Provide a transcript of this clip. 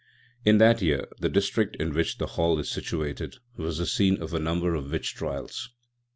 In that year the district in which the Hall is situated was the scene of a number of witch trials.